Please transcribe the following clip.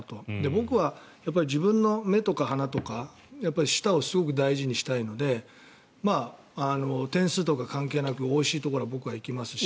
僕は自分の目とか鼻とか舌をすごく大事にしたいので点数とか関係なくおいしいところは僕は行きますし。